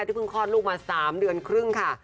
เพิ่งคลอดลูกมา๓เดือนครึ่งค่ะ